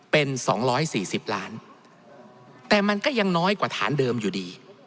เป็น๒๔๐ล้านแต่มันก็ยังน้อยกว่าฐานเดิมอยู่ดี